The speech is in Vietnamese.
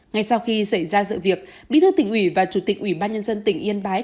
ngay sau khi xảy ra sự việc bí thư tỉnh ủy và chủ tịch ủy ban nhân dân tỉnh yên bái